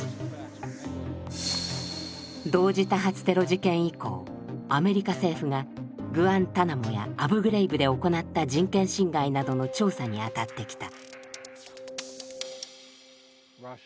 同時多発テロ事件以降アメリカ政府がグアンタナモやアブグレイブで行った人権侵害などの調査に当たってきた。